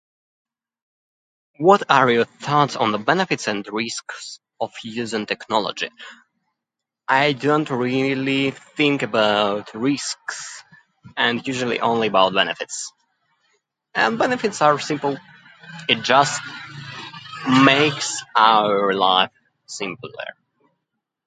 What are your thoughts on the benefits and risks of using technology? I don't really think about risks, and usually only about benefits. And benefits are simple: it just makes our life simpler.